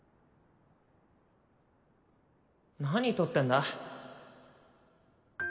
何撮ってんだ？